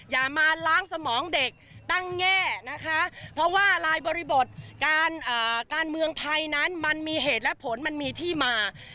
อย่ามาล้างสมองเด็กตั้งแง่นะคะเพราะว่ารายบริบทการเมืองไทยนั้นมันมีเหตุและผลมันมีที่มา